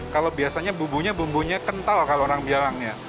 kalau biasanya bumbunya bumbunya kental kalau orang bilangnya